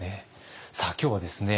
さあ今日はですね